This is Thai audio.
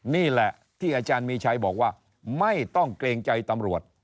นี่แหละที่อาจารย์มีชัยบอกว่าไม่ต้องเกรงใจตำรวจ